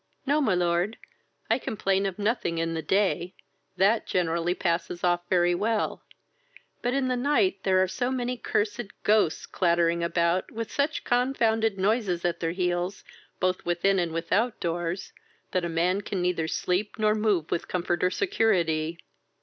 "No, my lord. I complain of nothing in the day; that generally passes off very well; but, in the night, there are so many cursed ghosts clattering about, with such confounded nosies at their heels, both within and without doors, that a man can neither sleep nor move with comfort or security."